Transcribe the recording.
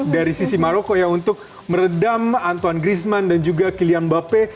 dari sisi maroko ya untuk meredam anton grisman dan juga kylian mbappe